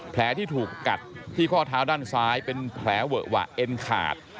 แผลที่ถูกกัดที่ข้อเท้าด้านซ้ายเป็นแผลเวอะหวะเอ็นขาด